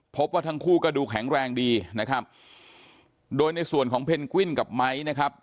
พบว่าทั้งคู่ก็ดูแข็งแรงดีนะครับโดยในส่วนของเพนกวิ้นกับไม้นะครับ